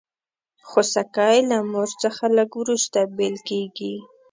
خوسکی له مور څخه لږ وروسته بېل کېږي.